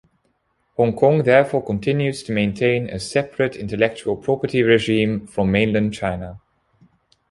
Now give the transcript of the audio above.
Hong Kong therefore continues to maintain a separate intellectual property regime from Mainland China.